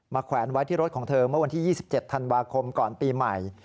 แขวนไว้ที่รถของเธอเมื่อวันที่๒๗ธันวาคมก่อนปีใหม่